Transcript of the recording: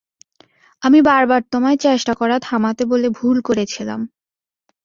আমি বারবার তোমায় চেষ্টা করা থামাতে বলে ভুল করেছিলাম।